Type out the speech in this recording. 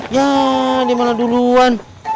ya dia malah duluan